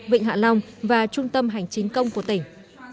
vịnh hạ long và trung tâm hành chính công của tỉnh